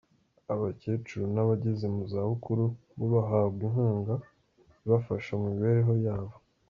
Abakecuru n’abageze mu zabukuru bo bahabwa inkunga ibafasha mu mibereho yabo.